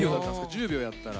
１０秒やったら。